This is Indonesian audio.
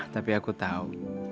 tapi aku tahu